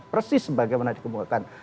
persis sebagaimana dikembangkan